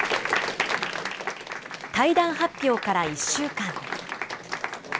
退団発表から１週間。